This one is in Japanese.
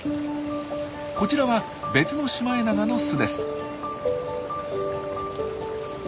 こちらは別のシマエナガの巣です。